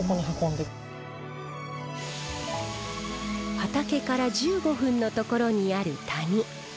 畑から１５分の所にある谷。